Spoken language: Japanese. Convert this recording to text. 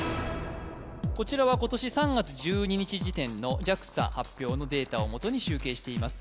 こちらは今年３月１２日時点のＪＡＸＡ発表のデータをもとに集計しています